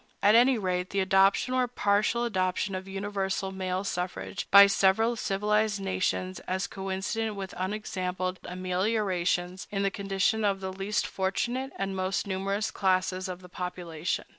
At any rate, the adoption or partial adoption of universal male suffrage by several civilized nations is coincident with unexampled ameliorations in the condition of the least fortunate and most numerous classes of the population.